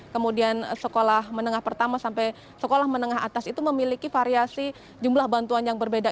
kemudian sekolah menengah pertama sampai sekolah menengah atas itu memiliki variasi jumlah bantuan yang berbeda